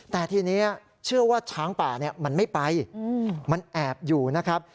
แต่ทีนี้เชื่อว่าช้างป่ามันไม่ไปมันแอบอยู่นะครับ